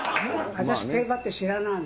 私、競馬って知らないもん。